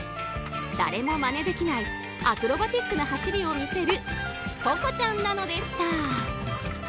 誰もまねできないアクロバティックな走りを見せるポコちゃんなのでした。